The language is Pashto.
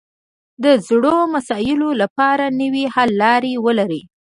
د زړو مسایلو لپاره نوې حل لارې ولري